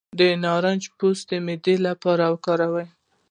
د نارنج پوستکی د معدې لپاره وکاروئ